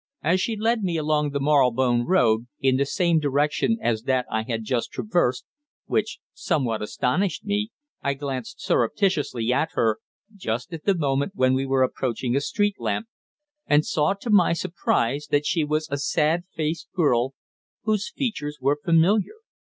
As she led me along the Marylebone Road, in the same direction as that I had just traversed which somewhat astonished me I glanced surreptitiously at her, just at the moment when we were approaching a street lamp, and saw to my surprise that she was a sad faced girl whose features were familiar.